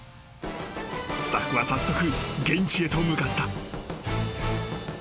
［スタッフは早速現地へと向かった］